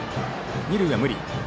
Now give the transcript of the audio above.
二塁は無理。